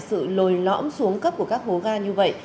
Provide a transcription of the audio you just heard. sự lồi lõm xuống cấp của các hố ga như vậy